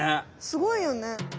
すごいよね。